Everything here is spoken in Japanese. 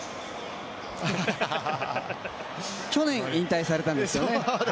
去年引退されたんですよね？